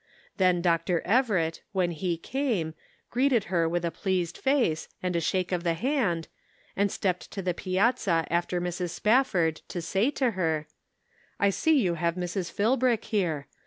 Then Dr. Everett, when he came, greeted her with a pleased face, and a shake of the hand, and 370 The Pocket Measure. stepped to the piazza after Mrs. Spafford to say to her : "I see you have Mrs. Philbrick here.